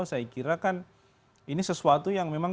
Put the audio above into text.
saya kira kan ini sesuatu yang memang